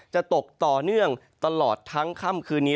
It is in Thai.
จะตกต่อเนื่องตลอดทั้งค่ำคืนนี้